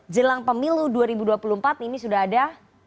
jelang pemilu dua ribu dua puluh empat ini sudah ada